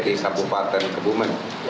di sabupaten kebumen